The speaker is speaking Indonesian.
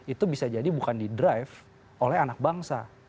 itu bisa jadi bukan di drive oleh anak bangsa